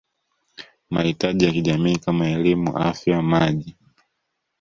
mahitaji ya kijamii kama elimu Afya Maji